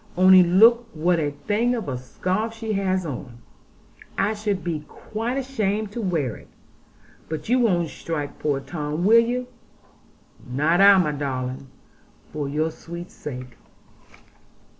Only look what a thing of a scarf she has on; I should be quite ashamed to wear it. But you won't strike poor Tom, will you?' 'Not I, my darling, for your sweet sake.'